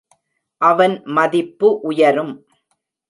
அவன் மதிப்பு உயரும்.